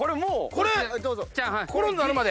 これコロンになるまで。